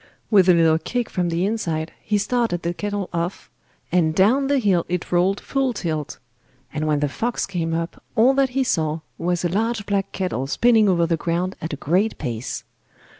With a little kick from the inside he started the kettle off, and down the hill it rolled full tilt; and when the fox came up, all that he saw was a large black kettle spinning over the ground at a great pace.